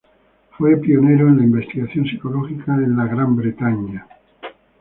Fue pionero en investigación Psicológica en Gran Bretaña.